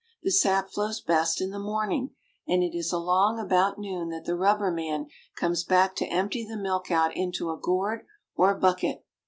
The sap flows best in the morning, and it is along about noon that the rubber man comes back to empty the milk out into a gourd or bucket.